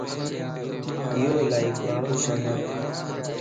ايو الائي پراڻو شھر